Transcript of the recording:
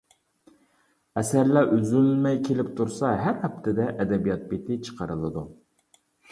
ئەسەرلەر ئۈزۈلمەي كېلىپ تۇرسا ھەر ھەپتىدە ئەدەبىيات بېتى چىقىرىلىدۇ.